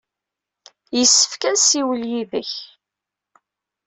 Yessefk ad nessiwel yid-k.